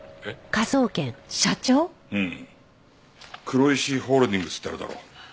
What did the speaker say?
クロイシホールディングスってあるだろ。